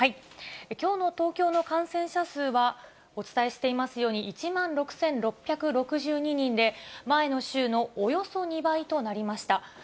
きょうの東京の感染者数は、お伝えしていますように、１万６６６２人で、前の週のおよそ２倍となりました。